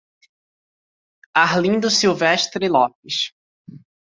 Arlindo Silvestre Lopes